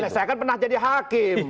saya kan pernah jadi hakim